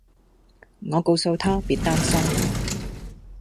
我告訴她別擔心